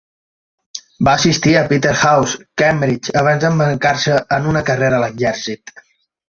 Va assistir a Peterhouse, Cambridge abans d'embarcar-se en una carrera a l'exèrcit.